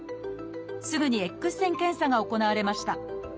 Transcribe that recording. すぐにＸ線検査が行われました。